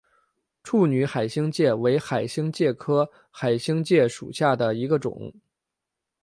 处女海星介为海星介科海星介属下的一个种。